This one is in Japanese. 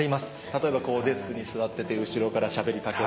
例えばデスクに座ってて後ろからしゃべり掛けられる。